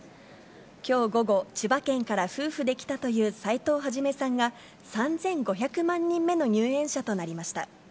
きょう午後、千葉県から夫婦で来たという斉藤肇さんが、３５００万人目の入園者となりました。